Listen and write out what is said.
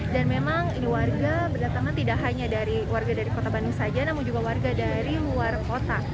dan memang warga berdatangan tidak hanya dari warga dari kota bandung saja namun juga warga dari luar kota